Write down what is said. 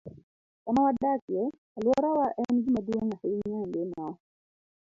Kama wadakie, alworawa en gima duong ' ahinya e ngimawa.